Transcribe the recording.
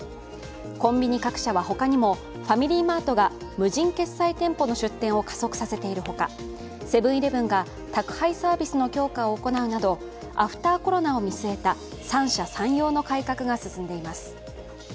コンビニ各社は他にもファミリーマートが無人決済店舗の出店を加速させているほかセブン−イレブンが宅配サービスの強化を行うなどアフター・コロナを見据えた三者三様の改革が進んでいます。